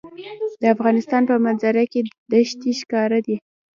د افغانستان په منظره کې دښتې ښکاره دي.